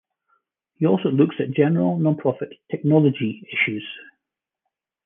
He also looks at general nonprofit technology issues.